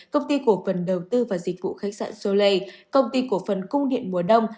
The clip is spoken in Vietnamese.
công ty cổ phần đầu tư và dịch vụ khách sạn solei công ty cổ phần cung điện mùa đông